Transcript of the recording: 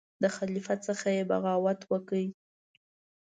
د خلیفه څخه یې بغاوت وکړ.